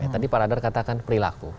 tadi pak radar katakan perilaku